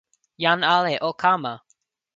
jan ale o kama!